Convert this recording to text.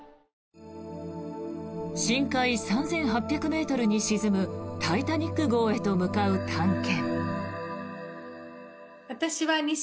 深海３８００ｍに沈む「タイタニック号」へと向かう探検。